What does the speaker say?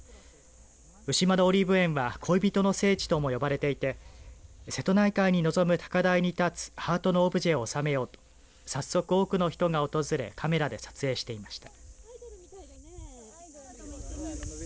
牛窓オリーブ園は恋人の聖地とも呼ばれていて瀬戸内海に臨む高台に立つハートのオブジェを収めようと早速多くの人が訪れカメラで撮影していました。